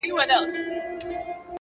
هره ورځ د نوي درس فرصت لري